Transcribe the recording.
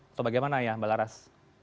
atau bagaimana ya mbak laras